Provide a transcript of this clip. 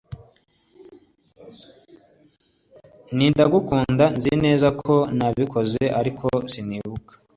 nti ndagukunda nzi neza ko nabikoze ariko sinibuka